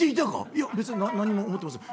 「いや別に何も思ってません」。